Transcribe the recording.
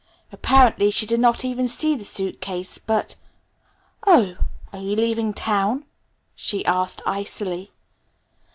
Apparently she did not even see the suitcase but, "Oh, are you leaving town?" she asked icily.